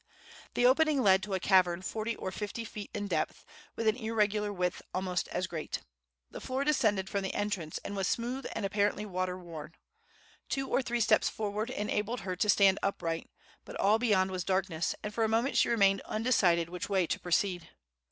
The opening led to a cavern forty or fifty feet in depth, with an irregular width almost as great. The floor descended from the entrance, and was smooth and apparently water worn. Two or three steps forward enabled her to stand upright; but all beyond was darkness, and for a moment she remained undecided which way to proceed.